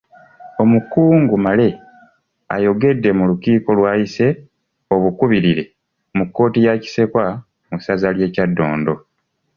Omukungu Male ayogedde mu lukiiko lw’ayise obukubirire mu kkooti ya Kisekwa mu ssaza ly’e Kyaddondo